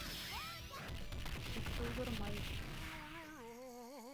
... шик тыуҙырмай